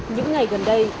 những ngày gần đây